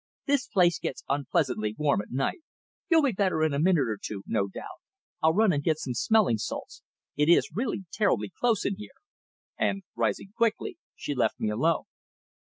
"This place gets unpleasantly warm at night. You'll be better in a minute or two, no doubt. I'll run and get some smelling salts. It is really terribly close in here," and, rising quickly, she left me alone.